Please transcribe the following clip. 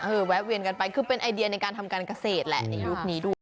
แวะเวียนกันไปคือเป็นไอเดียในการทำการเกษตรแหละในยุคนี้ด้วย